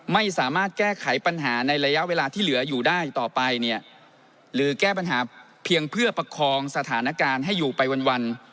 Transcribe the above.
ไม่สามารถแก้ไขปัญหาในระยะเวลาที่เหลืออยู่ได้ต่อไปเนี่ยหรือแก้ปัญหาเพียงเพื่อประคองสถานการณ์ให้อยู่ไปวัน